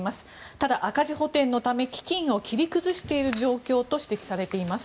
ただ、赤字補てんのため基金を切り崩している状況と指摘されています。